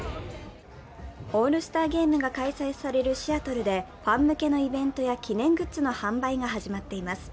オールスターゲームが開催されるシアトルでファン向けのイベントや記念グッズの販売が始まっています。